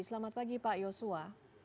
selamat pagi pak yosua